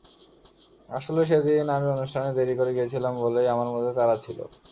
আসলে সেদিন আমি অনুষ্ঠানে দেরি করে গিয়েছিলাম বলেই আমার মধ্যে তাড়া ছিল।